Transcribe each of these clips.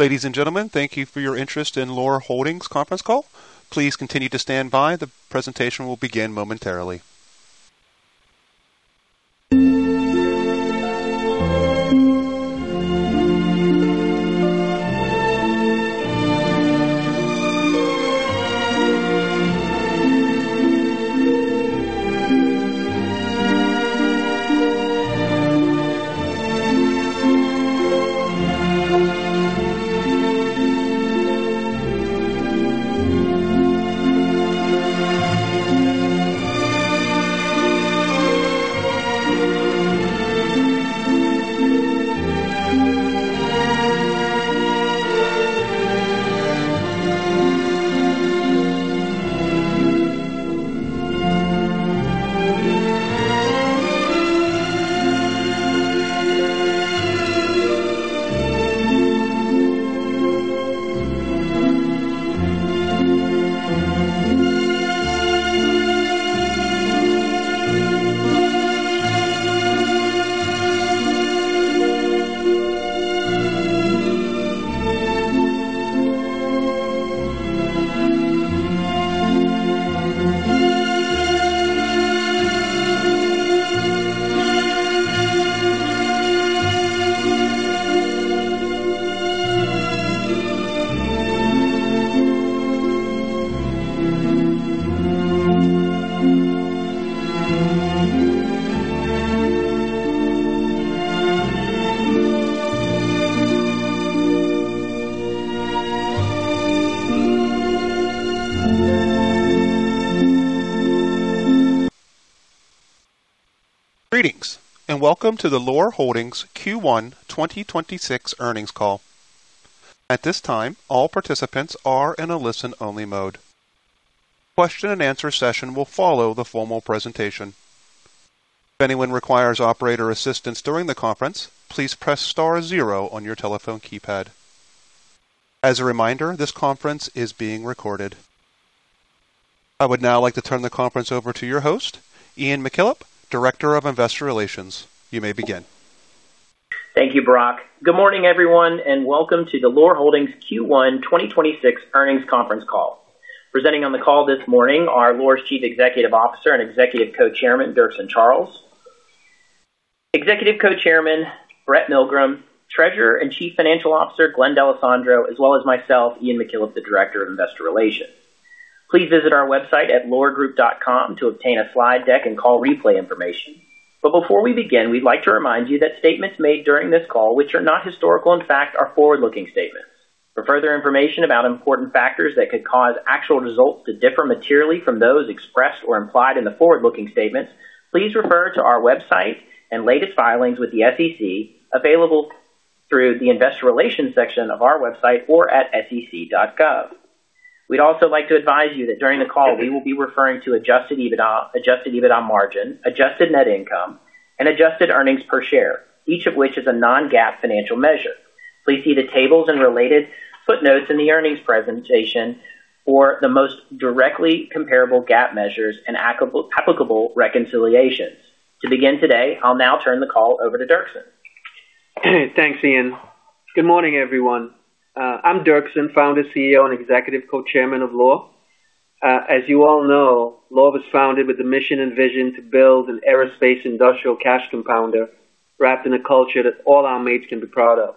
Greetings, and welcome to the Loar Holdings Q1 2026 earnings call. I would now like to turn the conference over to your host, Ian McKillop, Director of Investor Relations. You may begin. Thank you, Brock. Good morning, everyone, and welcome to the Loar Holdings Q1 2026 earnings conference call. Presenting on the call this morning are Loar's Chief Executive Officer and Executive Co-chairman, Dirkson Charles, Executive Co-chairman, Brett Milgrim, Treasurer and Chief Financial Officer, Glenn D'Alessandro, as well as myself, Ian McKillop, the Director of Investor Relations. Please visit our website at loargroup.com to obtain a slide deck and call replay information. Before we begin, we'd like to remind you that statements made during this call which are not historical in fact are forward-looking statements. For further information about important factors that could cause actual results to differ materially from those expressed or implied in the forward-looking statements, please refer to our website and latest filings with the SEC available through the Investor Relations section of our website or at sec.gov. We'd also like to advise you that during the call we will be referring to adjusted EBITDA, adjusted EBITDA margin, adjusted net income, and adjusted earnings per share, each of which is a non-GAAP financial measure. Please see the tables and related footnotes in the earnings presentation for the most directly comparable GAAP measures and applicable reconciliations. To begin today, I'll now turn the call over to Dirkson. Thanks, Ian. Good morning, everyone. I'm Dirkson, founder, CEO, and Executive Co-chairman of Loar. As you all know, Loar was founded with the mission and vision to build an aerospace industrial cash compounder wrapped in a culture that all our mates can be proud of.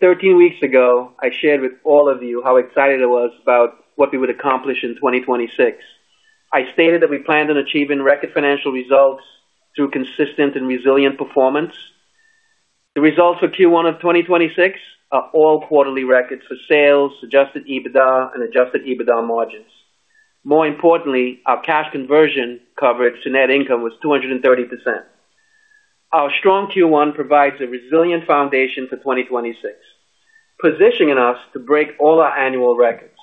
13 weeks ago, I shared with all of you how excited I was about what we would accomplish in 2026. I stated that we planned on achieving record financial results through consistent and resilient performance. The results for Q1 of 2026 are all quarterly records for sales, adjusted EBITDA, and adjusted EBITDA margins. More importantly, our cash conversion coverage to net income was 230%. Our strong Q1 provides a resilient foundation for 2026, positioning us to break all our annual records.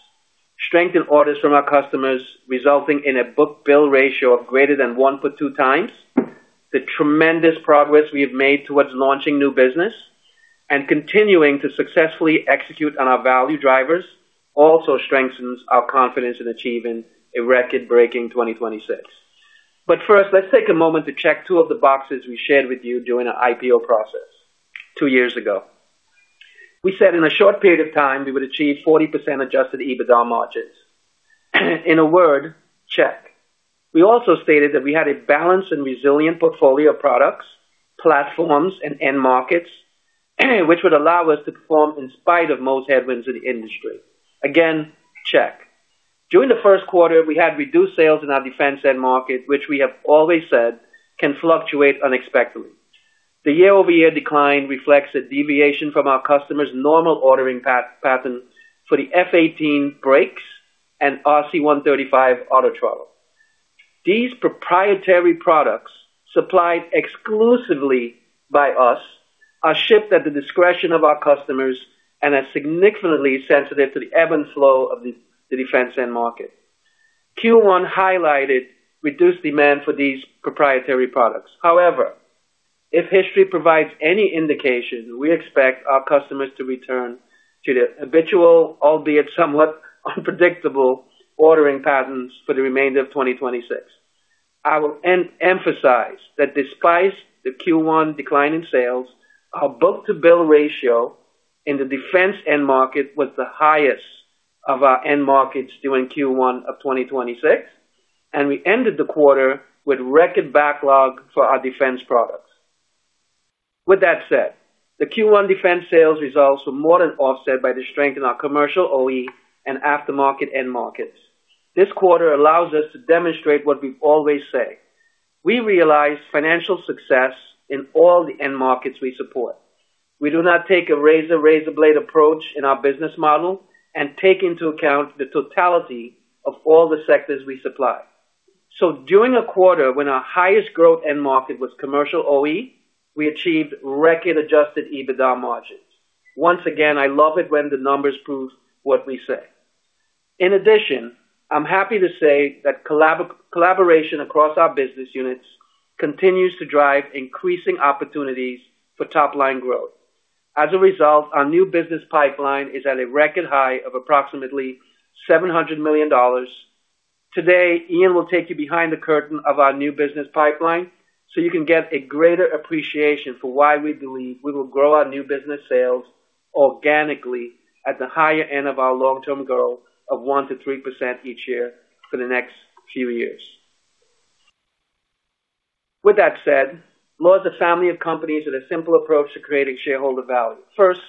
Strengthen orders from our customers, resulting in a book-to-bill ratio of greater than 1x to 2x. The tremendous progress we have made towards launching new business and continuing to successfully execute on our value drivers also strengthens our confidence in achieving a record-breaking 2026. First, let's take a moment to check two of the boxes we shared with you during our IPO process two years ago. We said in a short period of time, we would achieve 40% adjusted EBITDA margins. In a word, check. We also stated that we had a balanced and resilient portfolio of products, platforms, and end markets, which would allow us to perform in spite of most headwinds in the industry. Again, check. During the first quarter, we had reduced sales in our defense end market, which we have always said can fluctuate unexpectedly. The year-over-year decline reflects a deviation from our customers' normal ordering pattern for the F-18 brakes and RC-135 autothrottle. These proprietary products, supplied exclusively by us, are shipped at the discretion of our customers and are significantly sensitive to the ebb and flow of the defense end market. Q1 highlighted reduced demand for these proprietary products. If history provides any indication, we expect our customers to return to their habitual, albeit somewhat unpredictable ordering patterns for the remainder of 2026. I will emphasize that despite the Q1 decline in sales, our book-to-bill ratio in the defense end market was the highest of our end markets during Q1 of 2026, and we ended the quarter with record backlog for our defense products. With that said, the Q1 defense sales results were more than offset by the strength in our commercial OE and aftermarket end markets. This quarter allows us to demonstrate what we always say, we realize financial success in all the end markets we support. We do not take a razor blade approach in our business model, and take into account the totality of all the sectors we supply. During a quarter when our highest growth end market was commercial OE, we achieved record adjusted EBITDA margins. Once again, I love it when the numbers prove what we say. In addition, I'm happy to say that collaboration across our business units continues to drive increasing opportunities for top line growth. As a result, our new business pipeline is at a record high of approximately $700 million. Today, Ian will take you behind the curtain of our new business pipeline, so you can get a greater appreciation for why we believe we will grow our new business sales organically at the higher end of our long-term goal of 1%-3% each year for the next few years. With that said, Loar's a family of companies with a simple approach to creating shareholder value. First,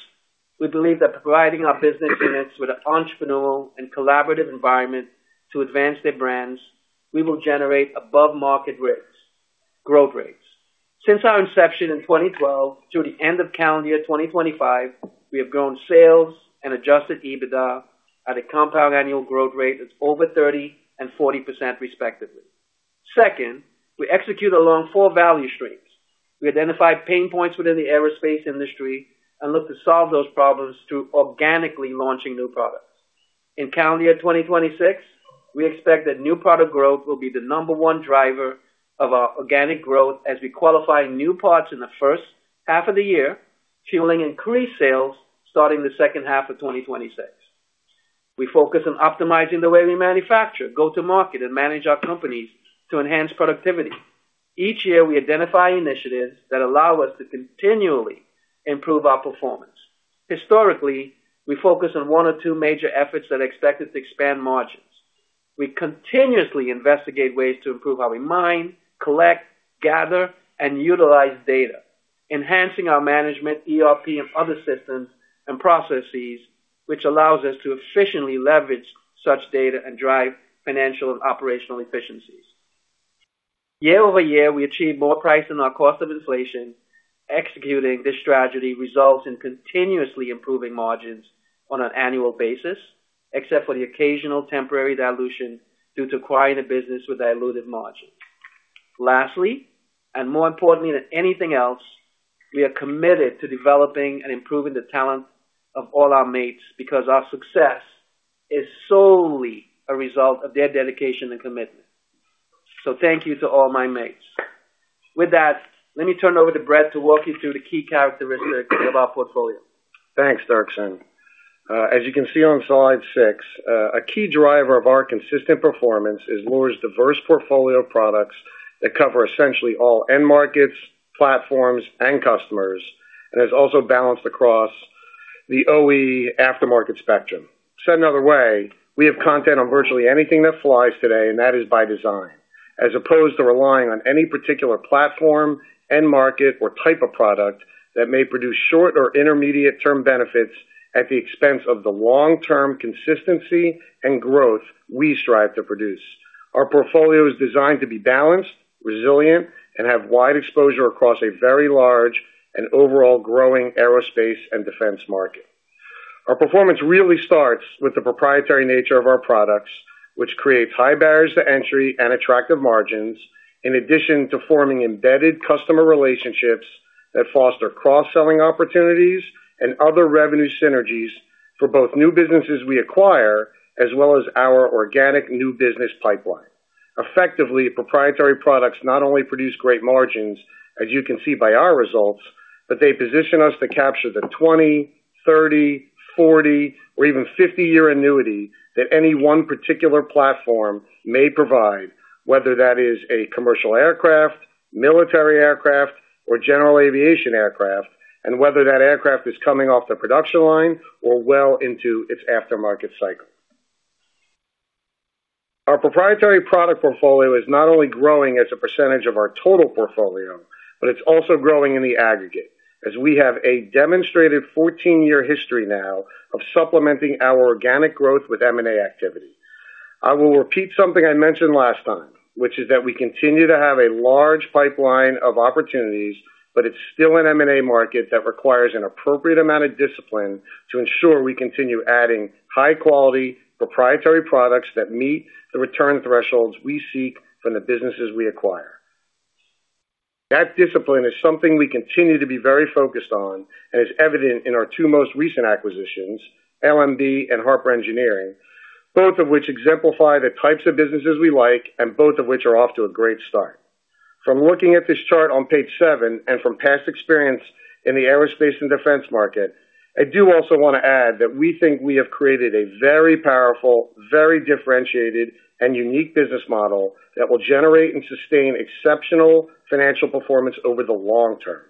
we believe that providing our business units with entrepreneurial and collaborative environment to advance their brands, we will generate above market rates, growth rates. Since our inception in 2012 to the end of calendar year 2025, we have grown sales and adjusted EBITDA at a compound annual growth rate that's over 30% and 40% respectively. Second, we execute along four value streams. We identify pain points within the aerospace industry and look to solve those problems through organically launching new products. In calendar year 2026, we expect that new product growth will be the number one driver of our organic growth as we qualify new parts in the first half of the year, fueling increased sales starting the second half of 2026. We focus on optimizing the way we manufacture, go to market and manage our companies to enhance productivity. Each year, we identify initiatives that allow us to continually improve our performance. Historically, we focus on one or two major efforts that are expected to expand margins. We continuously investigate ways to improve how we mine, collect, gather, and utilize data, enhancing our management, ERP and other systems and processes, which allows us to efficiently leverage such data and drive financial and operational efficiencies. Year-over-year, we achieve more price than our cost of inflation. Executing this strategy results in continuously improving margins on an annual basis, except for the occasional temporary dilution due to acquiring a business with dilutive margins. Lastly, and more importantly than anything else, we are committed to developing and improving the talent of all our mates because our success is solely a result of their dedication and commitment. Thank you to all my mates. With that, let me turn over to Brett to walk you through the key characteristics of our portfolio. Thanks, Dirkson. As you can see on slide six, a key driver of our consistent performance is Loar's diverse portfolio of products that cover essentially all end markets, platforms, and customers, and is also balanced across the OE aftermarket spectrum. Said another way, we have content on virtually anything that flies today, and that is by design, as opposed to relying on any particular platform, end market or type of product that may produce short or intermediate term benefits at the expense of the long-term consistency and growth we strive to produce. Our portfolio is designed to be balanced, resilient, and have wide exposure across a very large and overall growing aerospace and defense market. Our performance really starts with the proprietary nature of our products, which creates high barriers to entry and attractive margins, in addition to forming embedded customer relationships that foster cross-selling opportunities and other revenue synergies for both new businesses we acquire as well as our organic new business pipeline. Effectively, proprietary products not only produce great margins, as you can see by our results, but they position us to capture the 20, 30, 40, or even 50-year annuity that any one particular platform may provide, whether that is a commercial aircraft, military aircraft, or general aviation aircraft, and whether that aircraft is coming off the production line or well into its aftermarket cycle. Our proprietary product portfolio is not only growing as a percentage of our total portfolio, but it's also growing in the aggregate, as we have a demonstrated 14-year history now of supplementing our organic growth with M&A activity. I will repeat something I mentioned last time, which is that we continue to have a large pipeline of opportunities, but it's still an M&A market that requires an appropriate amount of discipline to ensure we continue adding high quality proprietary products that meet the return thresholds we seek from the businesses we acquire. That discipline is something we continue to be very focused on and is evident in our two most recent acquisitions, LMB and Harper Engineering, both of which exemplify the types of businesses we like and both of which are off to a great start. From looking at this chart on page seven and from past experience in the aerospace and defense market, I do also wanna add that we think we have created a very powerful, very differentiated, and unique business model that will generate and sustain exceptional financial performance over the long term.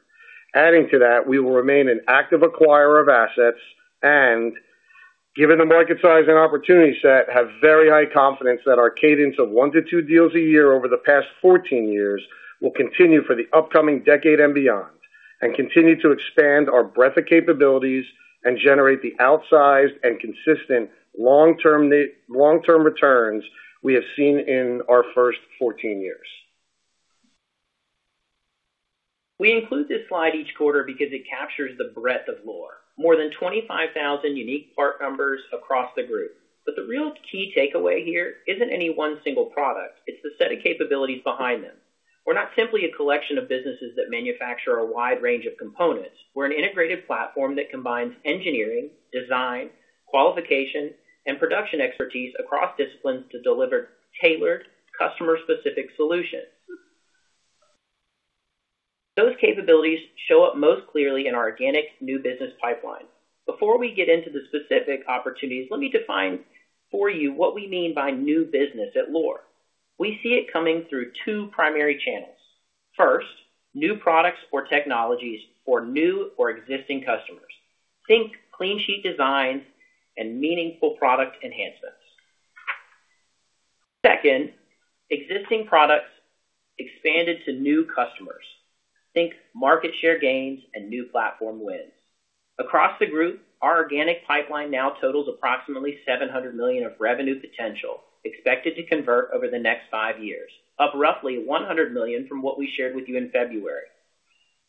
Adding to that, we will remain an active acquirer of assets and given the market size and opportunity set, have very high confidence that our cadence of one to two deals a year over the past 14 years will continue for the upcoming decade and beyond, and continue to expand our breadth of capabilities and generate the outsized and consistent long-term returns we have seen in our first 14 years. We include this slide each quarter because it captures the breadth of Loar. More than 25,000 unique part numbers across the group. The real key takeaway here isn't any one single product, it's the set of capabilities behind them. We're not simply a collection of businesses that manufacture a wide range of components. We're an integrated platform that combines engineering, design, qualification, and production expertise across disciplines to deliver tailored customer-specific solutions. Those capabilities show up most clearly in our organic new business pipeline. Before we get into the specific opportunities, let me define for you what we mean by new business at Loar. We see it coming through two primary channels. First, new products or technologies for new or existing customers. Think clean sheet designs and meaningful product enhancements. Second, existing products expanded to new customers. Think market share gains and new platform wins. Across the group, our organic pipeline now totals approximately $700 million of revenue potential expected to convert over the next five years, up roughly $100 million from what we shared with you in February.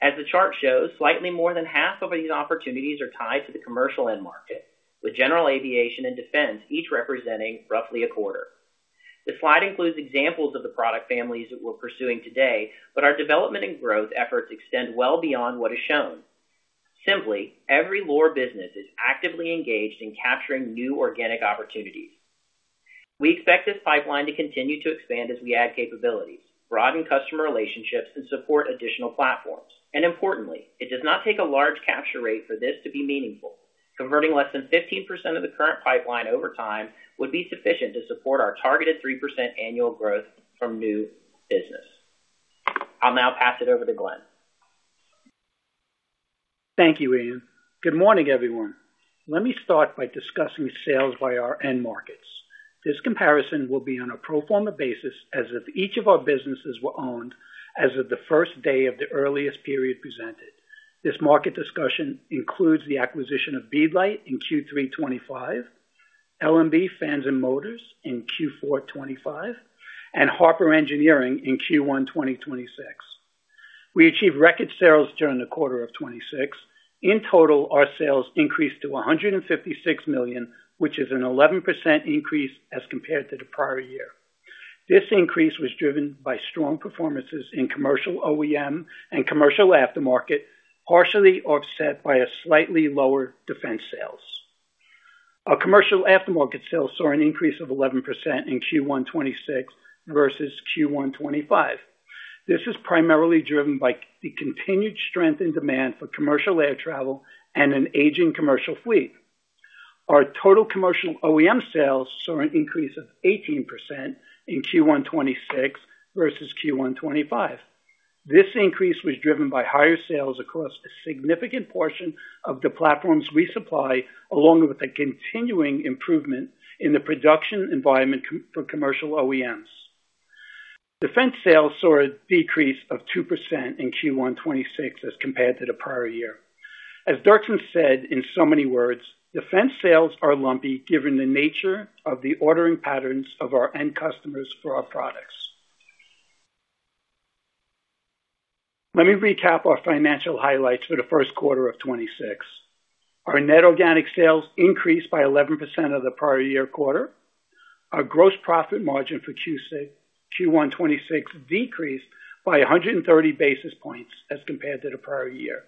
As the chart shows, slightly more than half of these opportunities are tied to the commercial end market, with general aviation and defense each representing roughly a quarter. The slide includes examples of the product families that we're pursuing today, but our development and growth efforts extend well beyond what is shown. Simply, every Loar business is actively engaged in capturing new organic opportunities. We expect this pipeline to continue to expand as we add capabilities, broaden customer relationships, and support additional platforms. Importantly, it does not take a large capture rate for this to be meaningful. Converting less than 15% of the current pipeline over time would be sufficient to support our targeted 3% annual growth from new business. I'll now pass it over to Glenn. Thank you, Ian. Good morning, everyone. Let me start by discussing sales by our end markets. This comparison will be on a pro forma basis as if each of our businesses were owned as of the first day of the earliest period presented. This market discussion includes the acquisition of Beadlight Ltd. in Q3 2025, LMB Fans & Motors in Q4 2025, and Harper Engineering in Q1 2026. We achieved record sales during the quarter of 2026. In total, our sales increased to $156 million, which is an 11% increase as compared to the prior year. This increase was driven by strong performances in commercial OEM and commercial aftermarket, partially offset by a slightly lower defense sales. Our commercial aftermarket sales saw an increase of 11% in Q1 2026 versus Q1 2025. This is primarily driven by the continued strength in demand for commercial air travel and an aging commercial fleet. Our total commercial OEM sales saw an increase of 18% in Q1 2026 versus Q1 2025. This increase was driven by higher sales across a significant portion of the platforms we supply, along with a continuing improvement in the production environment for commercial OEMs. Defense sales saw a decrease of 2% in Q1 2026 as compared to the prior year. As Dirkson said in so many words, "Defense sales are lumpy given the nature of the ordering patterns of our end customers for our products." Let me recap our financial highlights for the first quarter of 2026. Our net organic sales increased by 11% of the prior year quarter. Our gross profit margin for Q1 2026 decreased by 130 basis points as compared to the prior year.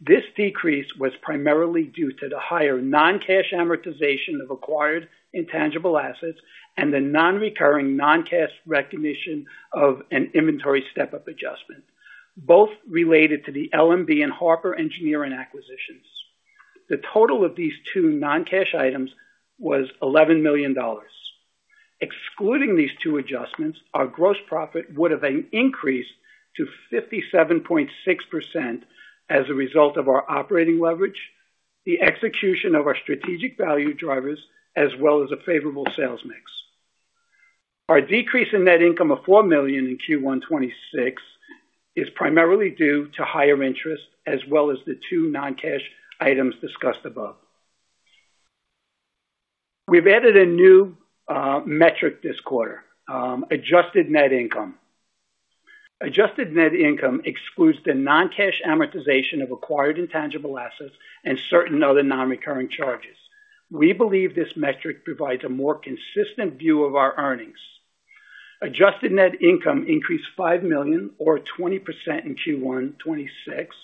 This decrease was primarily due to the higher non-cash amortization of acquired intangible assets and the non-recurring non-cash recognition of an inventory step-up adjustment, both related to the LMB Fans & Motors and Harper Engineering acquisitions. The total of these two non-cash items was $11 million. Excluding these two adjustments, our gross profit would've been increased to 57.6% as a result of our operating leverage, the execution of our strategic value drivers, as well as a favorable sales mix. Our decrease in net income of $4 million in Q1 2026 is primarily due to higher interest, as well as the two non-cash items discussed above. We've added a new metric this quarter, adjusted net income. Adjusted net income excludes the non-cash amortization of acquired intangible assets and certain other non-recurring charges. We believe this metric provides a more consistent view of our earnings. Adjusted net income increased $5 million or 20% in Q1 2026.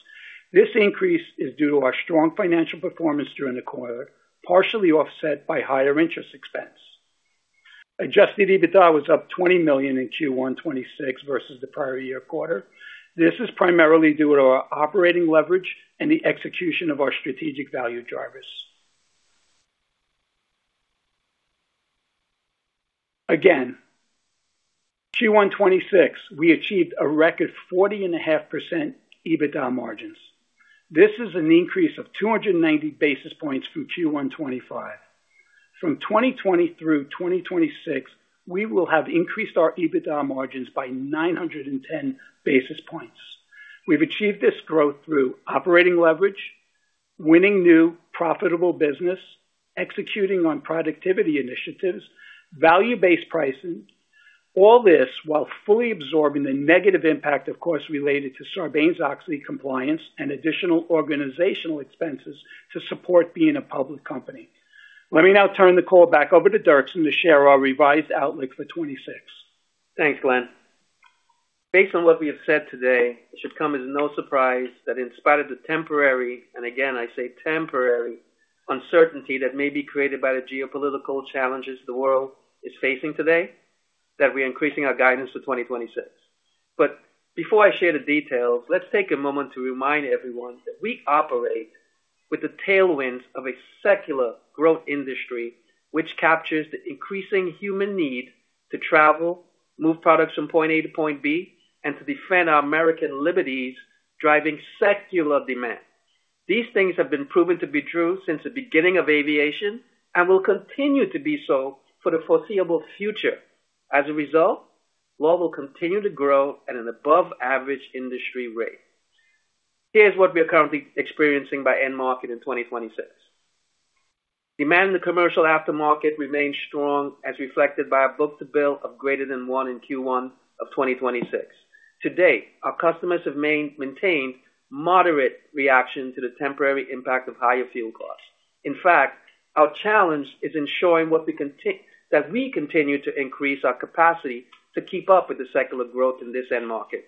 This increase is due to our strong financial performance during the quarter, partially offset by higher interest expense. Adjusted EBITDA was up $20 million in Q1 2026 versus the prior year quarter. This is primarily due to our operating leverage and the execution of our strategic value drivers. Again, Q1 2026, we achieved a record 40.5% EBITDA margins. This is an increase of 290 basis points from Q1 2025. From 2020 through 2026, we will have increased our EBITDA margins by 910 basis points. We've achieved this growth through operating leverage, winning new profitable business, executing on productivity initiatives, value-based pricing, all this while fully absorbing the negative impact, of course, related to Sarbanes-Oxley compliance and additional organizational expenses to support being a public company. Let me now turn the call back over to Dirkson to share our revised outlook for 2026. Thanks, Glenn. Based on what we have said today, it should come as no surprise that in spite of the temporary, and again, I say temporary, uncertainty that may be created by the geopolitical challenges the world is facing today, that we're increasing our guidance to 2026. Before I share the details, let's take a moment to remind everyone that we operate with the tailwinds of a secular growth industry which captures the increasing human need to travel, move products from point A to point B, and to defend our American liberties, driving secular demand. These things have been proven to be true since the beginning of aviation and will continue to be so for the foreseeable future. As a result, Loar will continue to grow at an above average industry rate. Here's what we are currently experiencing by end market in 2026. Demand in the commercial aftermarket remains strong, as reflected by our book-to-bill of greater than one in Q1 of 2026. To date, our customers have maintained moderate reaction to the temporary impact of higher fuel costs. Our challenge is ensuring that we continue to increase our capacity to keep up with the secular growth in this end market.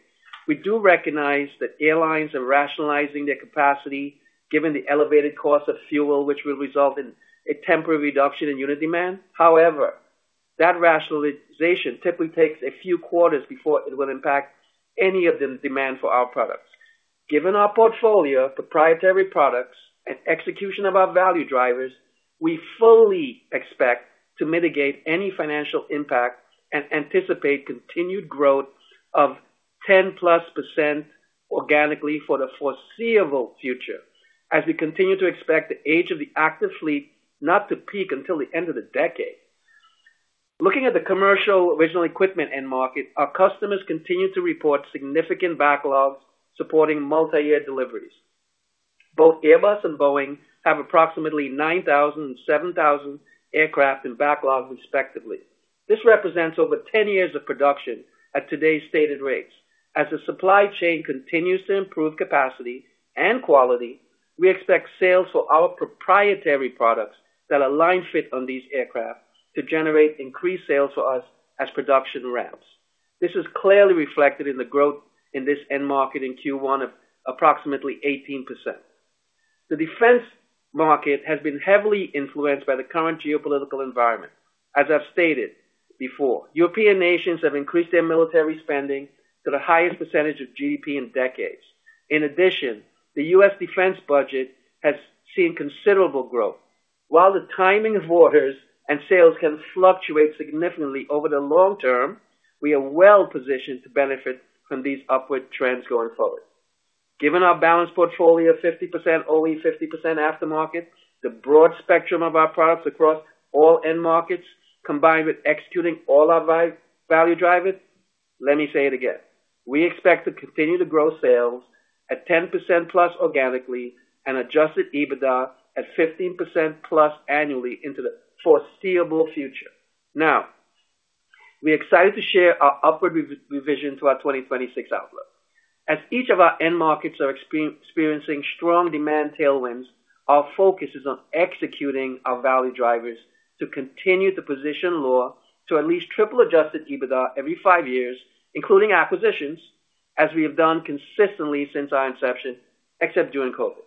We do recognize that airlines are rationalizing their capacity given the elevated cost of fuel, which will result in a temporary reduction in unit demand. That rationalization typically takes a few quarters before it will impact any of the demand for our products. Given our portfolio of proprietary products and execution of our value drivers, we fully expect to mitigate any financial impact and anticipate continued growth of 10%+ organically for the foreseeable future as we continue to expect the age of the active fleet not to peak until the end of the decade. Looking at the commercial original equipment end market, our customers continue to report significant backlogs supporting multi-year deliveries. Both Airbus and Boeing have approximately 9,000 and 7,000 aircraft in backlog, respectively. This represents over 10 years of production at today's stated rates. As the supply chain continues to improve capacity and quality, we expect sales for our proprietary products that are line fit on these aircraft to generate increased sales for us as production ramps. This is clearly reflected in the growth in this end market in Q1 of approximately 18%. The defense market has been heavily influenced by the current geopolitical environment. As I've stated before, European nations have increased their military spending to the highest percentage of GDP in decades. In addition, the U.S. defense budget has seen considerable growth. While the timing of orders and sales can fluctuate significantly over the long term, we are well-positioned to benefit from these upward trends going forward. Given our balanced portfolio, 50% OE, 50% aftermarket, the broad spectrum of our products across all end markets, combined with executing all our value drivers, let me say it again: we expect to continue to grow sales at 10%+ organically and adjusted EBITDA at 15%+ annually into the foreseeable future. We're excited to share our upward revision to our 2026 outlook. As each of our end markets are experiencing strong demand tailwinds, our focus is on executing our value drivers to continue to position Loar to at least triple-adjusted EBITDA every five years, including acquisitions, as we have done consistently since our inception, except during COVID.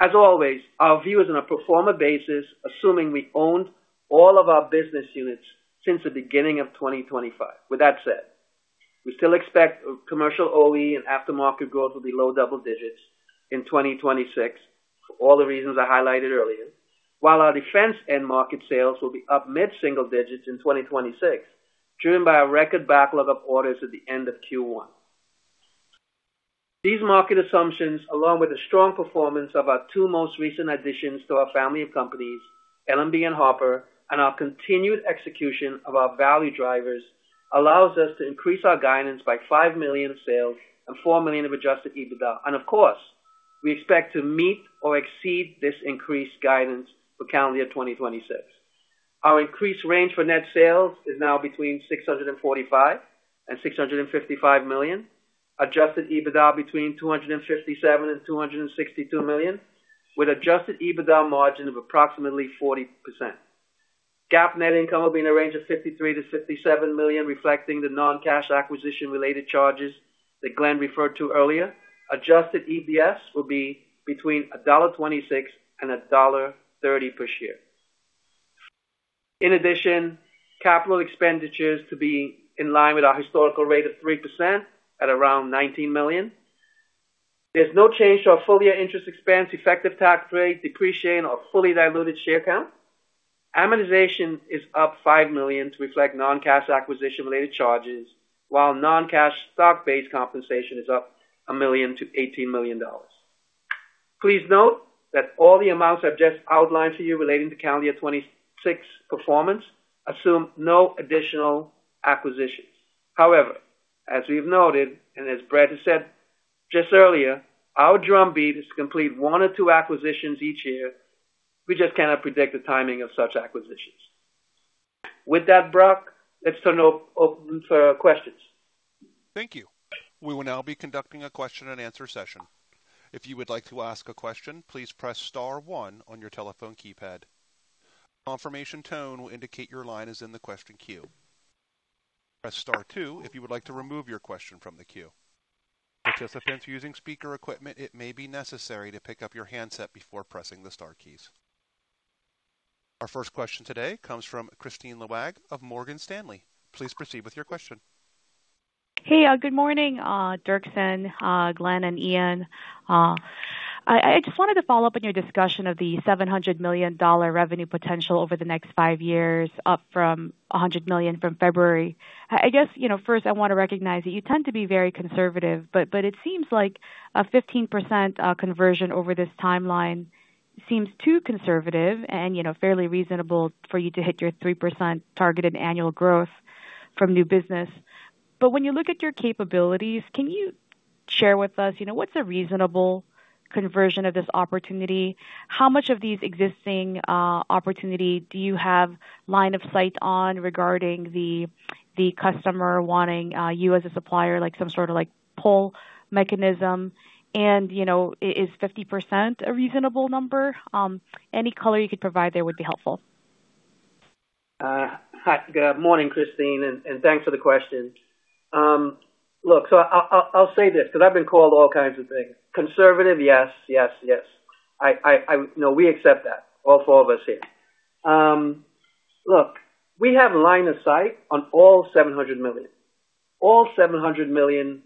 As always, our view is on a pro forma basis, assuming we owned all of our business units since the beginning of 2025. With that said, we still expect commercial OE and aftermarket growth will be low double digits in 2026 for all the reasons I highlighted earlier. While our defense end market sales will be up mid-single digits in 2026, driven by a record backlog of orders at the end of Q1. These market assumptions, along with the strong performance of our two most recent additions to our family of companies, LMB Fans & Motors and Harper Engineering, and our continued execution of our value drivers, allows us to increase our guidance by $5 million sales and $4 million of adjusted EBITDA. Of course, we expect to meet or exceed this increased guidance for calendar year 2026. Our increased range for net sales is now between $645 million and $655 million, adjusted EBITDA between $257 million and $262 million, with adjusted EBITDA margin of approximately 40%. GAAP net income will be in a range of $53 million-$57 million, reflecting the non-cash acquisition-related charges that Glenn referred to earlier. Adjusted EPS will be between $1.26 and $1.30 per share. In addition, capital expenditures to be in line with our historical rate of 3% at around $19 million. There's no change to our full year interest expense, effective tax rate, depreciation, or fully diluted share count. Amortization is up $5 million to reflect non-cash acquisition-related charges, while non-cash stock-based compensation is up $1 million to $18 million. Please note that all the amounts I've just outlined for you relating to calendar 2026 performance assume no additional acquisitions. As we've noted, and as Brett has said just earlier, our drumbeat is to complete one or two acquisitions each year. We just cannot predict the timing of such acquisitions. With that, Brock, let's turn it over for questions. Thank you. We will now be conducting a question-and-answer session. If you would like to ask a question, please press star one on your telephone keypad. Confirmation tone will indicate your line is in the question queue. Press star two if you would like to remove your question from the queue. Participants using speaker equipment, it may be necessary to pick up your handset before pressing the star keys. Our first question today comes from Kristine Liwag of Morgan Stanley. Please proceed with your question. Good morning, Dirkson, Glenn, and Ian. I just wanted to follow up on your discussion of the $700 million revenue potential over the next five years, up from $100 million from February. I guess, you know, first I want to recognize that you tend to be very conservative, but it seems like a 15% conversion over this timeline seems too conservative and, you know, fairly reasonable for you to hit your 3% targeted annual growth from new business. When you look at your capabilities, can you share with us, you know, what's a reasonable conversion of this opportunity? How much of these existing opportunity do you have line of sight on regarding the customer wanting you as a supplier, like some sort of like pull mechanism? You know, is 50% a reasonable number? Any color you could provide there would be helpful. Hi. Good morning, Kristine, and thanks for the question. Look, I'll say this because I've been called all kinds of things. Conservative, yes. No, we accept that, all four of us here. Look, we have line of sight on all $700 million. All $700 million,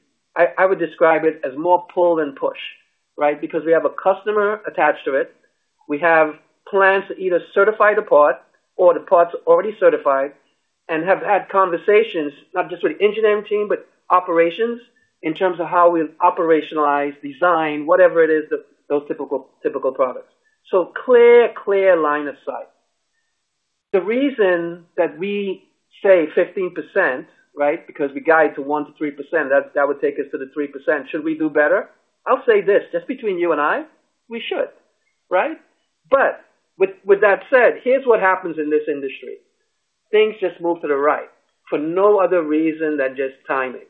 I would describe it as more pull than push, right? We have a customer attached to it. We have plans to either certify the part or the part's already certified and have had conversations not just with the engineering team, but operations in terms of how we operationalize, design, whatever it is that those typical products. Clear line of sight. The reason that we say 15%, right? We guide to 1%-3%, that would take us to the 3%. Should we do better? I'll say this, just between you and I, we should, right? With that said, here's what happens in this industry. Things just move to the right for no other reason than just timing.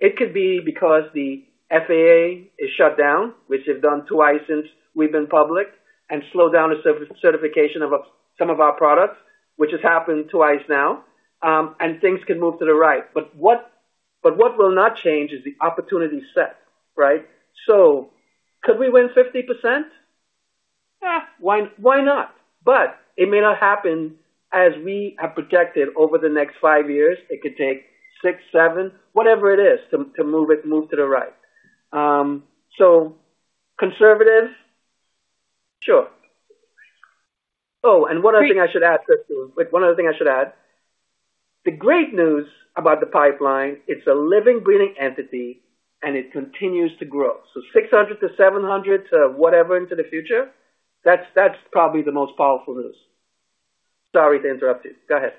It could be because the FAA is shut down, which they've done twice since we've been public, and slowed down the certification of some of our products, which has happened twice now. Things can move to the right. What will not change is the opportunity set, right? Could we win 50%? Why not? It may not happen as we have projected over the next five years. It could take six, seven, whatever it is to move it to the right. Conservative? Sure. Oh, one other thing I should add, Kristine. Wait, one other thing I should add. The great news about the pipeline, it's a living, breathing entity, and it continues to grow. $600 million to $700 million to whatever into the future, that's probably the most powerful news. Sorry to interrupt you. Go ahead.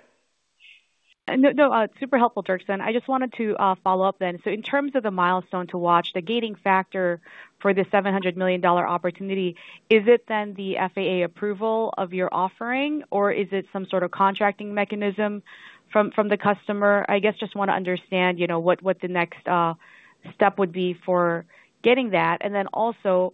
No, no, super helpful, Dirkson. I just wanted to follow up then. In terms of the milestone to watch, the gating factor for the $700 million opportunity, is it then the FAA approval of your offering, or is it some sort of contracting mechanism from the customer? I guess just want to understand, you know, what the next step would be for getting that. Also,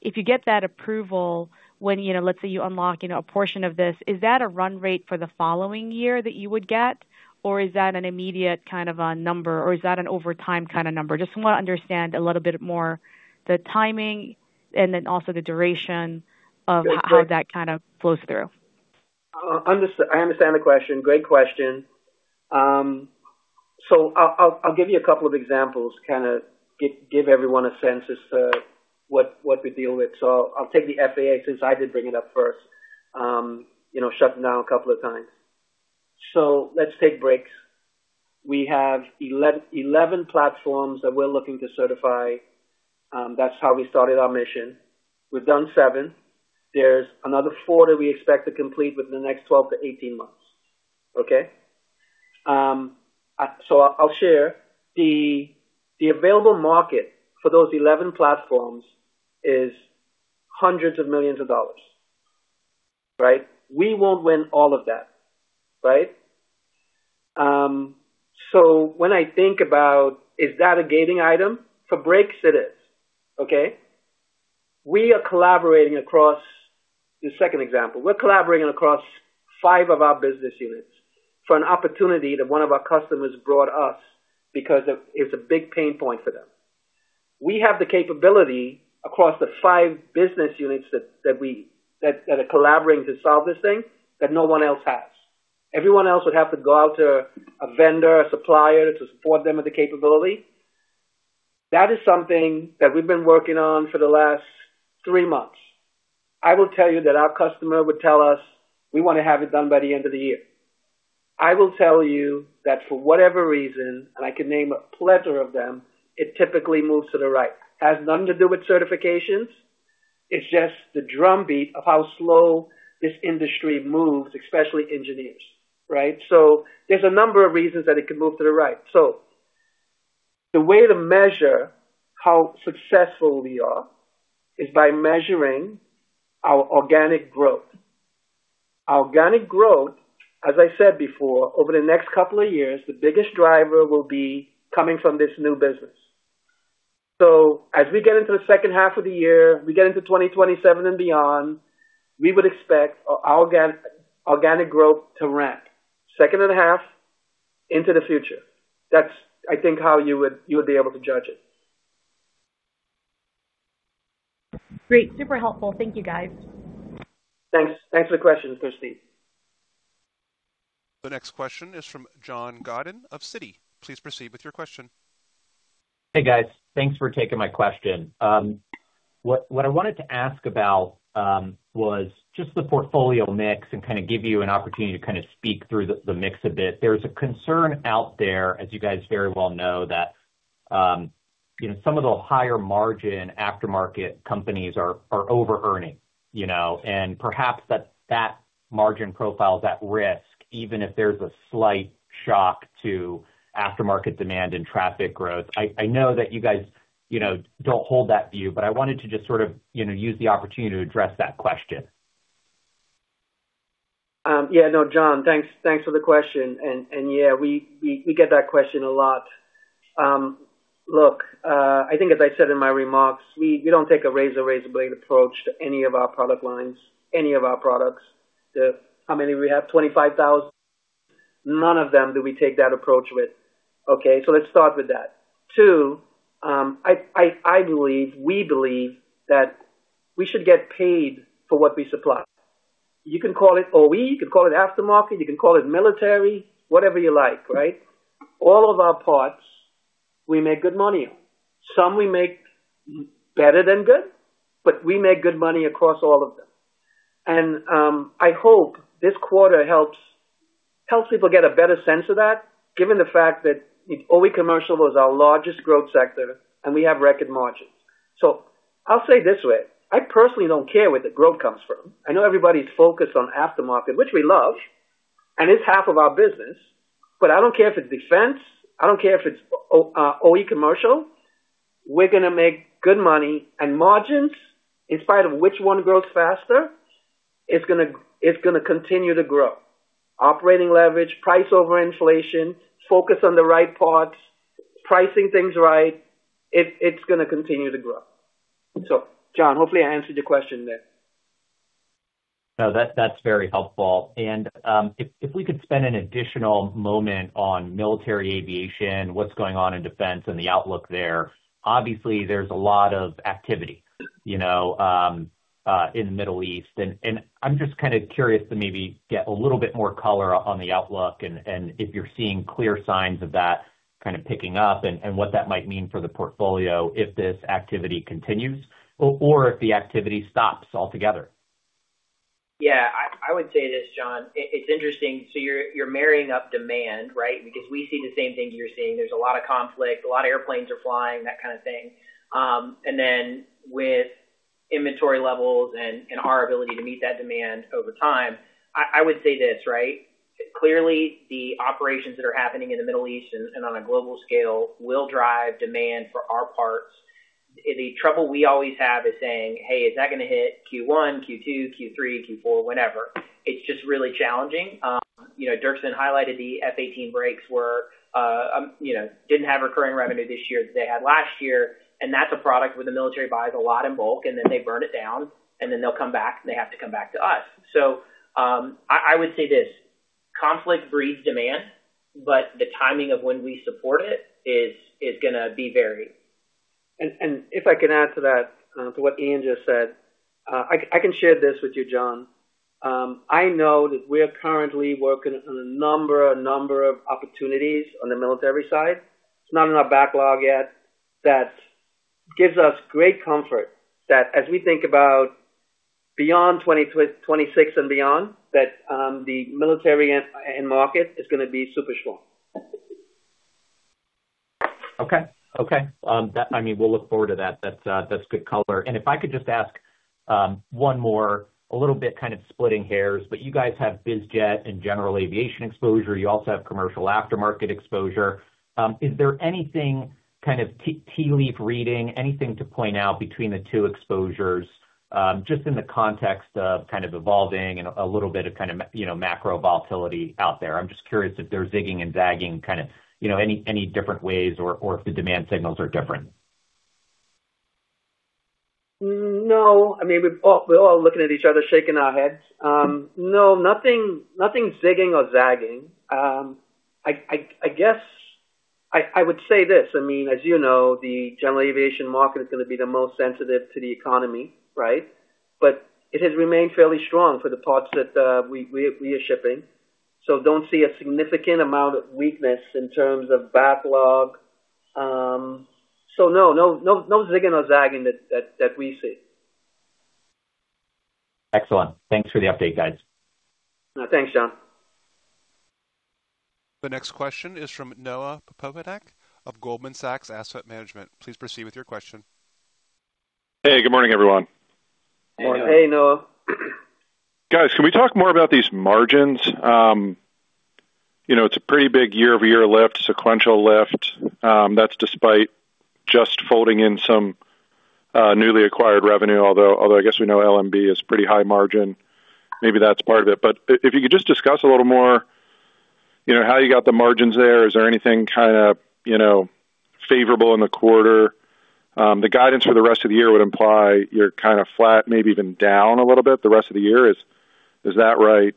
if you get that approval when, you know, let's say you unlock, you know, a portion of this, is that a run rate for the following year that you would get, or is that an immediate kind of a number, or is that an over time kind of number? Just want to understand a little bit more the timing and also the duration of how that kind of flows through. I understand the question. Great question. I'll give you a couple of examples, kinda give everyone a sense as to what we deal with. I'll take the FAA since I did bring it up first. you know, shutting down a couple of times. Let's take brakes. We have 11 platforms that we're looking to certify. That's how we started our mission. We've done seven. There's another four that we expect to complete within the next 12 to 18 months, okay? I'll share. The available market for those 11 platforms is hundreds of millions of dollars, right? We won't win all of that, right? When I think about, is that a gating item? For brakes, it is, okay? We are collaborating the second example. We're collaborating across five of our business units for an opportunity that one of our customers brought us because it's a big pain point for them. We have the capability across the five business units that are collaborating to solve this thing that no one else has. Everyone else would have to go out to a vendor, a supplier to support them with the capability. That is something that we've been working on for the last three months. I will tell you that our customer would tell us, "We wanna have it done by the end of the year." I will tell you that for whatever reason, and I could name a plethora of them, it typically moves to the right. It has nothing to do with certifications. It's just the drumbeat of how slow this industry moves, especially engineers, right? There's a number of reasons that it could move to the right. The way to measure how successful we are is by measuring our organic growth. Organic growth, as I said before, over the next couple of years, the biggest driver will be coming from this new business. As we get into the second half of the year, we get into 2027 and beyond, we would expect organic growth to ramp second half into the future. That's, I think, how you would, you would be able to judge it. Great. Super helpful. Thank you, guys. Thanks. Thanks for the question, Kristine. The next question is from John Godyn of Citi. Please proceed with your question. Hey, guys. Thanks for taking my question. What I wanted to ask about was just the portfolio mix and kinda give you an opportunity to kinda speak through the mix a bit. There's a concern out there, as you guys very well know, that, you know, some of the higher margin aftermarket companies are overearning, you know. Perhaps that margin profile is at risk, even if there's a slight shock to aftermarket demand and traffic growth. I know that you guys, you know, don't hold that view, but I wanted to just sort of, you know, use the opportunity to address that question. Yeah, no, John, thanks for the question. Yeah, we get that question a lot. Look, I think as I said in my remarks, we don't take a razor blade approach to any of our product lines, any of our products. How many we have? 25,000. None of them do we take that approach with, okay? Let's start with that. Two, I believe, we believe that we should get paid for what we supply. You can call it OE, you can call it aftermarket, you can call it military, whatever you like, right? All of our parts, we make good money on. Some we make better than good, but we make good money across all of them. I hope this quarter helps people get a better sense of that, given the fact that OE Commercial was our largest growth sector, and we have record margins. I'll say it this way, I personally don't care where the growth comes from. I know everybody's focused on aftermarket, which we love, and it's half of our business, but I don't care if it's defense, I don't care if it's OE Commercial, we're gonna make good money. Margins, in spite of which one grows faster, it's gonna continue to grow. Operating leverage, price over inflation, focus on the right parts, pricing things right. It's gonna continue to grow. John, hopefully, I answered your question there. No. That's very helpful. If we could spend an additional moment on military aviation, what's going on in defense and the outlook there. Obviously, there's a lot of activity, you know, in the Middle East. I'm just kinda curious to maybe get a little bit more color on the outlook and if you're seeing clear signs of that kinda picking up and what that might mean for the portfolio if this activity continues or if the activity stops altogether. I would say this, John Godyn. It's interesting. You're marrying up demand, right? We see the same things you're seeing. There's a lot of conflict, a lot of airplanes are flying, that kind of thing. With inventory levels and our ability to meet that demand over time, I would say this, right? Clearly, the operations that are happening in the Middle East and on a global scale will drive demand for our parts. The trouble we always have is saying, "Hey, is that gonna hit Q1, Q2, Q3, Q4, whenever?" It's just really challenging. You know, Dirkson highlighted the F-18 brakes were, you know, didn't have recurring revenue this year that they had last year, and that's a product where the military buys a lot in bulk, and then they burn it down, and then they'll come back, and they have to come back to us. I would say this, conflict breeds demand, but the timing of when we support it is gonna be varied. If I can add to that, to what Ian just said, I can share this with you, John. I know that we are currently working on a number of opportunities on the military side. It's not in our backlog yet. That gives us great comfort that as we think about beyond 2026 and beyond, that the military end market is gonna be super strong. Okay. Okay. I mean, we'll look forward to that. That's good color. If I could just ask one more, a little bit kind of splitting hairs, but you guys have biz jet and general aviation exposure. You also have commercial aftermarket exposure. Is there anything kind of tea leaf reading, anything to point out between the two exposures? Just in the context of kind of evolving and a little bit of you know, macro volatility out there, I'm just curious if they're zigging and zagging kind of, you know, any different ways or if the demand signals are different. No. I mean, we're all looking at each other shaking our heads. No, nothing zigging or zagging. I guess I would say this, I mean, as you know, the general aviation market is gonna be the most sensitive to the economy, right? It has remained fairly strong for the parts that we are shipping. Don't see a significant amount of weakness in terms of backlog. No zigging or zagging that we see. Excellent. Thanks for the update, guys. Thanks, John. The next question is from Noah Poponak of Goldman Sachs Group. Please proceed with your question. Hey, good morning, everyone. Morning. Hey, Noah. Guys, can we talk more about these margins? You know, it's a pretty big year-over-year lift, sequential lift. That's despite just folding in some newly acquired revenue, although I guess we know LMB Fans & Motors is pretty high margin. Maybe that's part of it. If you could just discuss a little more, you know, how you got the margins there. Is there anything kinda, you know, favorable in the quarter? The guidance for the rest of the year would imply you're kinda flat, maybe even down a little bit the rest of the year. Is that right?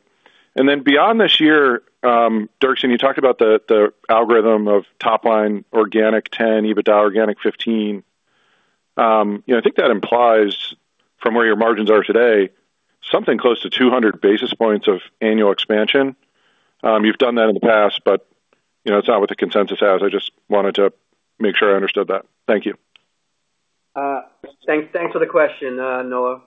Then beyond this year, Dirkson, you talked about the algorithm of top line organic 10, EBITDA organic 15. You know, I think that implies from where your margins are today, something close to 200 basis points of annual expansion. You've done that in the past, you know, it's not what the consensus has. I just wanted to make sure I understood that. Thank you. Thanks for the question, Noah.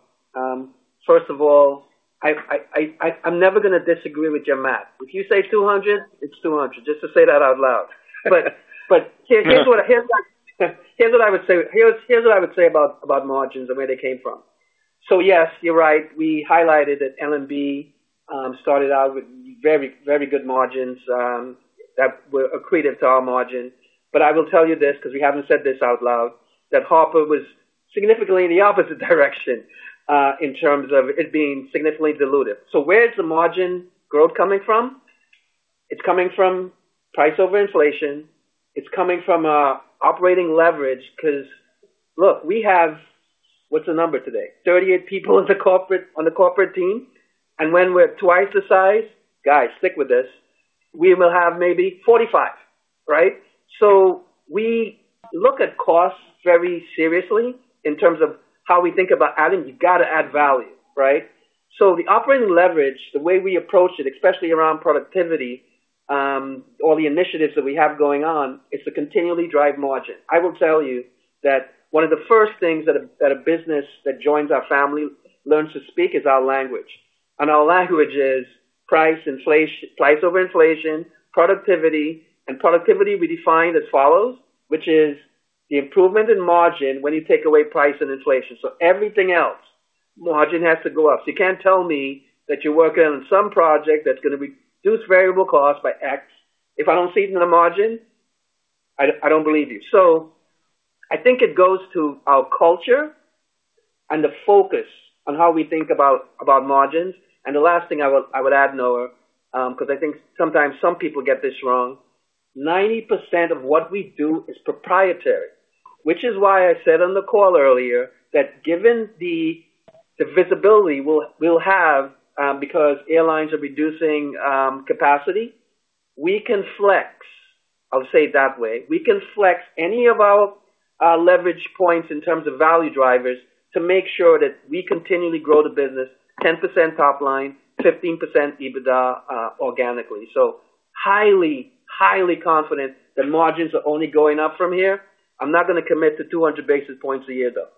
First of all, I'm never gonna disagree with your math. If you say 200, it's 200, just to say that out loud. Here's what I would say about margins and where they came from. Yes, you're right. We highlighted that LMB Fans & Motors started out with very good margins that were accretive to our margins. I will tell you this, 'cause we haven't said this out loud, that Harper was significantly in the opposite direction, in terms of it being significantly dilutive. Where's the margin growth coming from? It's coming from price over inflation. It's coming from operating leverage 'cause, look, we have, what's the number today? 38 people on the corporate team. When we're twice the size, guys, stick with this, we will have maybe 45, right? We look at costs very seriously in terms of how we think about adding. You've gotta add value, right? The operating leverage, the way we approach it, especially around productivity, all the initiatives that we have going on, is to continually drive margin. I will tell you that one of the first things that a business that joins our family learns to speak is our language. Our language is price over inflation, productivity, and productivity we define as follows, which is the improvement in margin when you take away price and inflation. Everything else, margin has to go up. You can't tell me that you're working on some project that's gonna reduce variable costs by X. If I don't see it in the margin, I don't believe you. I think it goes to our culture and the focus on how we think about margins. The last thing I would add, Noah, 'cause I think sometimes some people get this wrong, 90% of what we do is proprietary, which is why I said on the call earlier that given the visibility we'll have, because airlines are reducing capacity, we can flex. I'll say it that way. We can flex any of our leverage points in terms of value drivers to make sure that we continually grow the business 10% top line, 15% EBITDA organically. highly confident that margins are only going up from here. I'm not gonna commit to 200 basis points a year, though.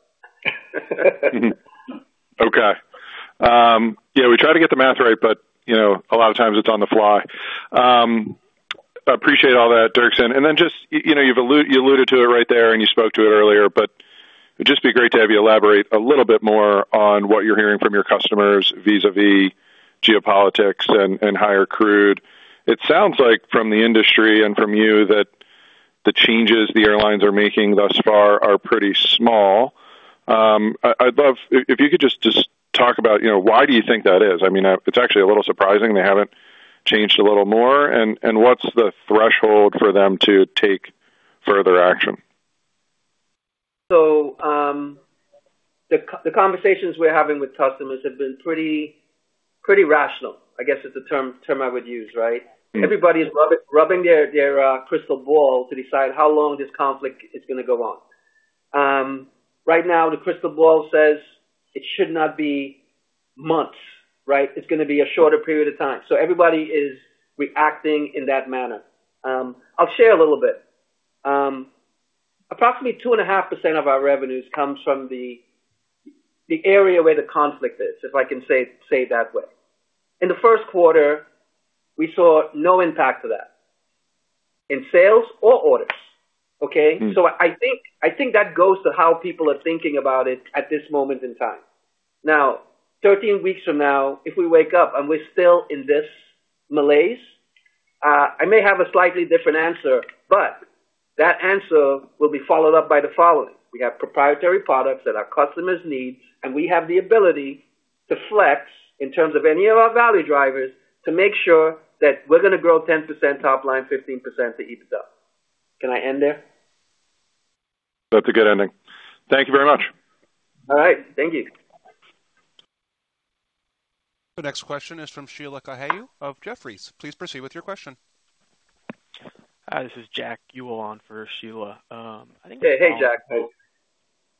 Okay. Yeah, we try to get the math right, but, you know, a lot of times it's on the fly. Appreciate all that, Dirkson. You know, you've alluded to it right there and you spoke to it earlier, but it'd just be great to have you elaborate a little bit more on what you're hearing from your customers vis-a-vis geopolitics and higher crude. It sounds like from the industry and from you that the changes the airlines are making thus far are pretty small. I'd love if you could talk about, you know, why do you think that is? I mean, it's actually a little surprising they haven't changed a little more, and what's the threshold for them to take further action? The conversations we're having with customers have been pretty rational. I guess it's a term I would use, right? Everybody's rubbing their crystal ball to decide how long this conflict is gonna go on. Right now, the crystal ball says it should not be months, right? It's gonna be a shorter period of time. Everybody is reacting in that manner. I'll share a little bit. Approximately 2.5% of our revenues comes from the area where the conflict is, if I can say it that way. In the first quarter, we saw no impact to that in sales or orders, okay? I think that goes to how people are thinking about it at this moment in time. Now, 13 weeks from now, if we wake up and we're still in this malaise. I may have a slightly different answer, but that answer will be followed up by the following. We have proprietary products that our customers need, and we have the ability to flex in terms of any of our value drivers to make sure that we're gonna grow 10% top line, 15% to EBITDA. Can I end there? That is a good ending. Thank you very much. All right. Thank you. The next question is from Sheila Kahyaoglu of Jefferies. Please proceed with your question. Hi, this is Jack Ewell on for Sheila. Hey, Jack.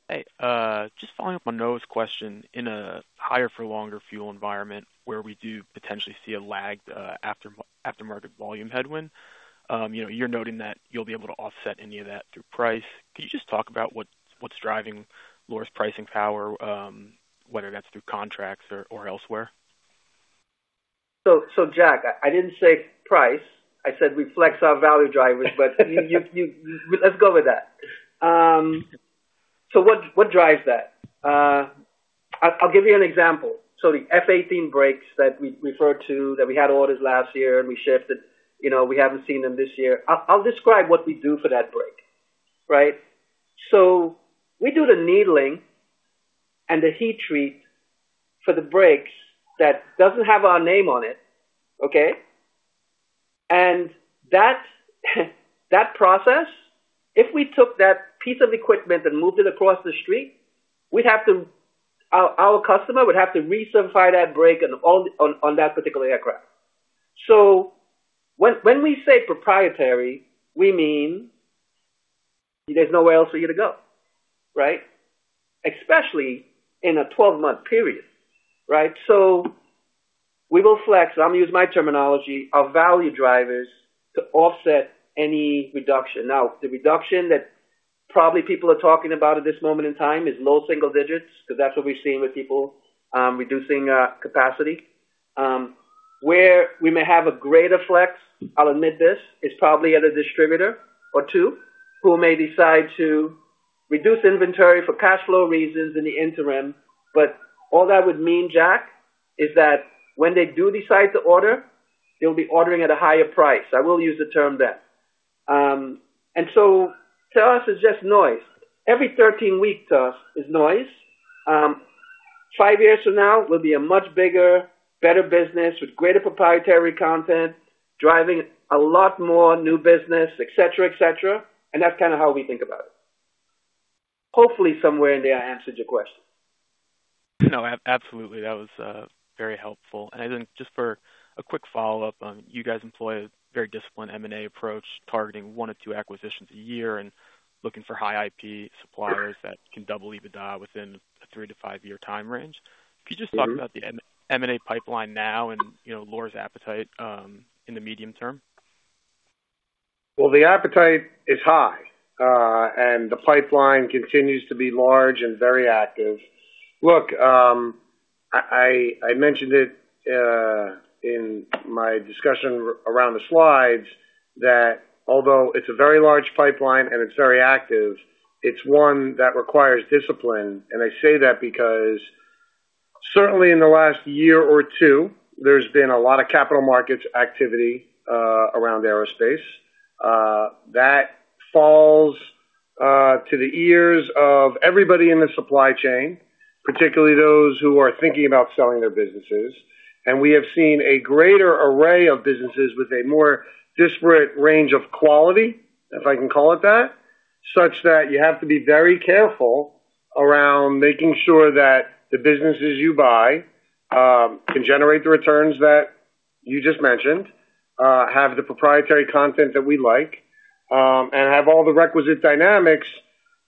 Hey. Just following up on Noah's question. In a higher for longer fuel environment where we do potentially see a lagged aftermarket volume headwind, you know, you're noting that you'll be able to offset any of that through price. Could you just talk about what's driving Loar's pricing power, whether that's through contracts or elsewhere? Jack, I didn't say price. I said we flex our value drivers. You Let's go with that. What drives that? I'll give you an example. The F-18 brakes that we referred to, that we had orders last year and we shifted, you know, we haven't seen them this year. I'll describe what we do for that brake, right? We do the needling and the heat treat for the brakes that doesn't have our name on it, okay? That process, if we took that piece of equipment and moved it across the street, we'd have to our customer would have to recertify that brake on that particular aircraft. When we say proprietary, we mean there's nowhere else for you to go, right? Especially in a 12-month period, right? We will flex, I'm going to use my terminology, our value drivers to offset any reduction. The reduction that probably people are talking about at this moment in time is low single digits, because that's what we're seeing with people reducing capacity. Where we may have a greater flex, I'll admit this, is probably at a distributor or two who may decide to reduce inventory for cash flow reasons in the interim. All that would mean, Jack, is that when they do decide to order, they'll be ordering at a higher price. I will use the term then. To us it's just noise. Every 13 weeks to us is noise. Five years from now, we'll be a much bigger, better business with greater proprietary content, driving a lot more new business, et cetera, et cetera. That's kind of how we think about it. Hopefully, somewhere in there, I answered your question. No, absolutely. That was very helpful. I think just for a quick follow-up. You guys employ a very disciplined M&A approach, targeting one or two acquisitions a year and looking for high IP suppliers that can double EBITDA within a three to five-year time range. Could you just talk about the M&A pipeline now and, you know, Loar's appetite in the medium term? Well, the appetite is high, the pipeline continues to be large and very active. Look, I mentioned it in my discussion around the slides that although it's a very large pipeline and it's very active, it's one that requires discipline. I say that because certainly in the last year or two, there's been a lot of capital markets activity around aerospace. That falls to the ears of everybody in the supply chain, particularly those who are thinking about selling their businesses. We have seen a greater array of businesses with a more disparate range of quality, if I can call it that, such that you have to be very careful around making sure that the businesses you buy can generate the returns that you just mentioned, have the proprietary content that we like, and have all the requisite dynamics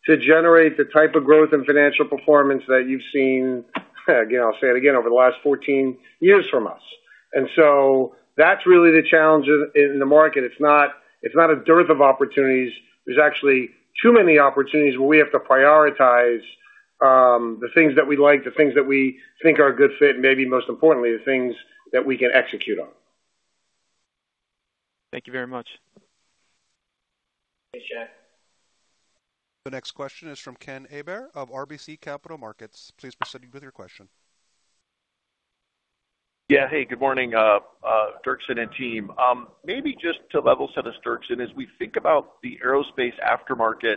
to generate the type of growth and financial performance that you've seen, again, I'll say it again, over the last 14 years from us. That's really the challenge in the market. It's not, it's not a dearth of opportunities. There's actually too many opportunities where we have to prioritize the things that we like, the things that we think are a good fit, and maybe most importantly, the things that we can execute on. Thank you very much. Thanks, Jack. The next question is from Ken Herbert of RBC Capital Markets. Please proceed with your question. Yeah. Hey, good morning, Dirkson and team. Maybe just to level set us, Dirkson, as we think about the aerospace aftermarket,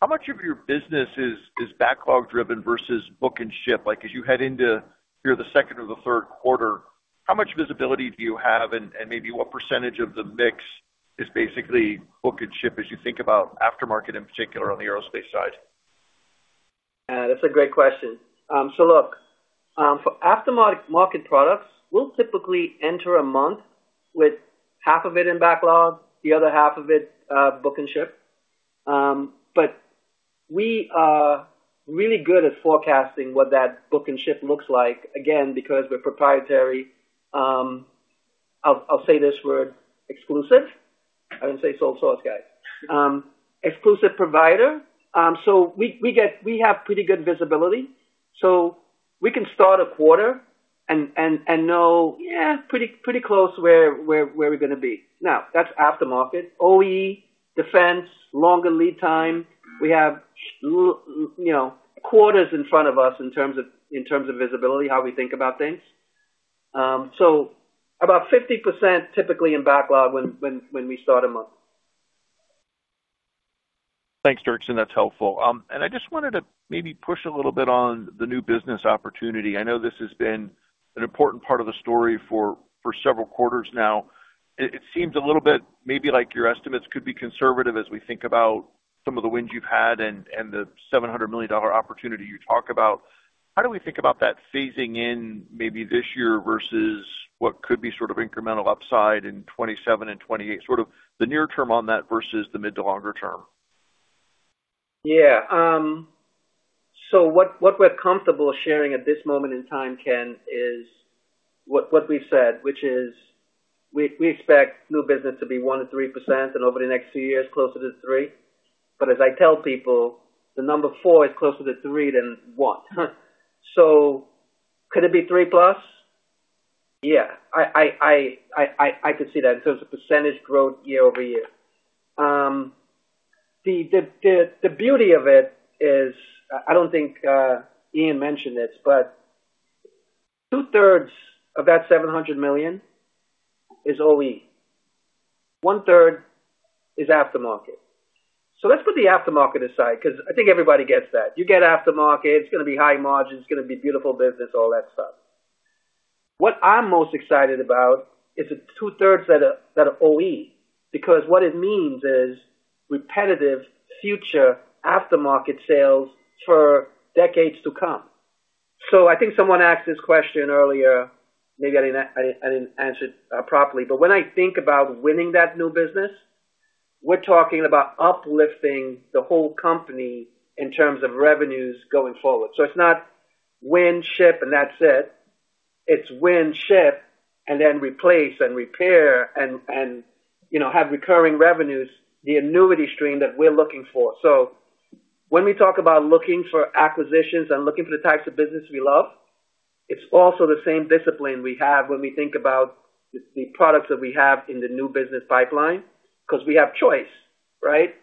how much of your business is backlog driven versus book and ship? Like, as you head into here the second or the third quarter, how much visibility do you have, and maybe what percentage of the mix is basically book and ship as you think about aftermarket in particular on the aerospace side? That's a great question. Look, for aftermarket market products, we'll typically enter a month with half of it in backlog, the other half of it, book and ship. We are really good at forecasting what that book and ship looks like, again, because we're proprietary, I'll say this word, exclusive. I wouldn't say sole source, guys. Exclusive provider. We have pretty good visibility, we can start a quarter and know, yeah, pretty close to where we're gonna be. Now, that's aftermarket. OE, defense, longer lead time, we have you know, quarters in front of us in terms of visibility, how we think about things. About 50% typically in backlog when we start a month. Thanks, Dirkson. That's helpful. I just wanted to maybe push a little bit on the new business opportunity. I know this has been an important part of the story for several quarters now. It seems a little bit maybe like your estimates could be conservative as we think about some of the wins you've had and the $700 million opportunity you talk about. How do we think about that phasing in maybe this year versus what could be sort of incremental upside in 2027 and 2028, sort of the near term on that versus the mid to longer term? Yeah. What we're comfortable sharing at this moment in time, Ken, is what we've said, which is we expect new business to be 1% to 3%, and over the next few years, closer to 3%. As I tell people, the number 4% is closer to 3% than 1%. Could it be 3+%? Yeah. I could see that in terms of % growth year-over-year. The beauty of it is, I don't think Ian mentioned this, two-thirds of that $700 million is OE. One-third is aftermarket. Let's put the aftermarket aside because I think everybody gets that. You get aftermarket, it's gonna be high margin, it's gonna be beautiful business, all that stuff. What I'm most excited about is the two-thirds that are OE, because what it means is repetitive future aftermarket sales for decades to come. I think someone asked this question earlier. Maybe I didn't answer it properly. When I think about winning that new business, we're talking about uplifting the whole company in terms of revenues going forward. It's not win, ship, and that's it. It's win, ship, and then replace and repair and, you know, have recurring revenues, the annuity stream that we're looking for. When we talk about looking for acquisitions and looking for the types of business we love, it's also the same discipline we have when we think about the products that we have in the new business pipeline, 'cause we have choice, right?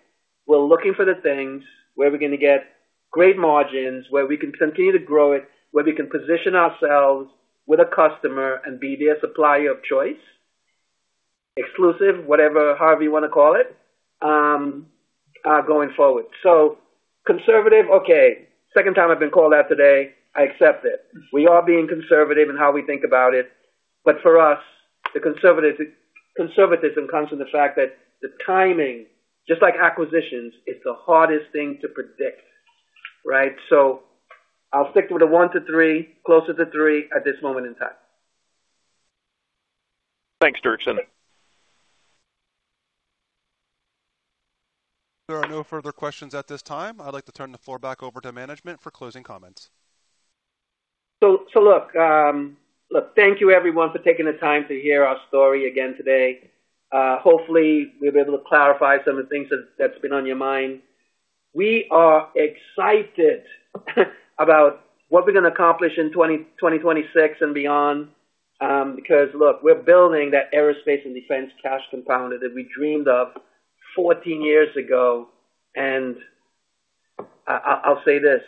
We're looking for the things where we're gonna get great margins, where we can continue to grow it, where we can position ourselves with a customer and be their supplier of choice, exclusive, whatever, however you wanna call it, going forward. Conservative, okay. Second time I've been called out today, I accept it. We are being conservative in how we think about it. For us, the conservatism comes from the fact that the timing, just like acquisitions, is the hardest thing to predict, right? I'll stick with the 1%-3%, closer to 3% at this moment in time. Thanks, Dirkson. There are no further questions at this time. I'd like to turn the floor back over to management for closing comments. Thank you everyone for taking the time to hear our story again today. Hopefully, we were able to clarify some of the things that's been on your mind. We are excited about what we're gonna accomplish in 2026 and beyond, because look, we're building that aerospace and defense cash compound that we dreamed of 14 years ago. I'll say this,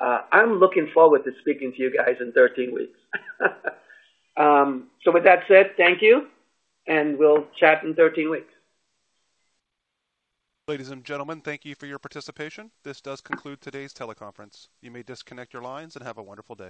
I'm looking forward to speaking to you guys in 13 weeks. With that said, thank you, and we'll chat in 13 weeks. Ladies and gentlemen, thank you for your participation. This does conclude today's teleconference. You may disconnect your lines and have a wonderful day.